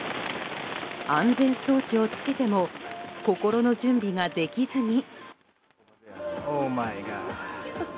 安全装置をつけても心の準備ができずに。